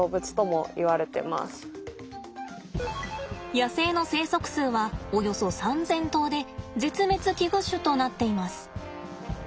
野生の生息数はおよそ３，０００頭で絶滅危惧種となっています。